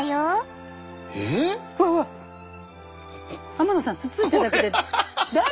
天野さんつっついただけで。